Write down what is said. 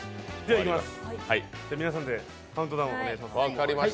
皆さんでカウントダウンをお願いします。